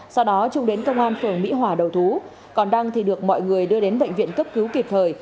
sau đó trung đến công an phường mỹ hòa đầu thú còn đăng thì được mọi người đưa đến bệnh viện cấp cứu kịp thời